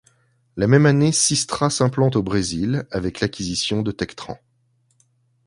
La même année, Systra s'implante au Brésil avec l'acquisition de Tectran.